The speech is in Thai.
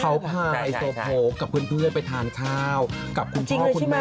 เขาพาไฮโซโพกกับเพื่อนไปทานข้าวกับคุณพ่อคุณแม่